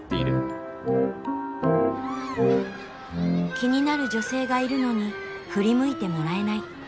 気になる女性がいるのに振り向いてもらえない。